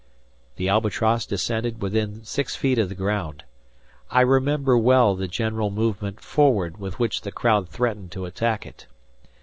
The "Albatross" descended within six feet of the ground. I remember well the general movement forward with which the crowd threatened to attack it.